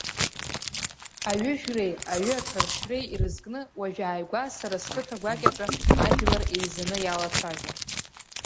Аҩыжәреи аҩы аҽаршьреи ирызкны уажәааигәа сара сқыҭа гәакьаҿы ажәлар еизаны иалацәажәон.